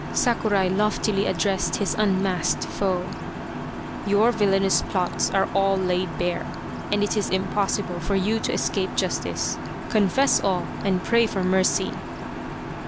Sakurai loftily addressed his unmasked foe. " Your villainous plots are all laid bare, and it is impossible for you to escape justice. Confess all and pray for mercy."